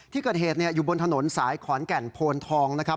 ที่เกิดเหตุอยู่บนถนนสายขอนแก่นโพนทองนะครับ